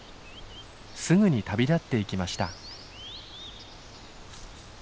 すぐに旅立っていきました。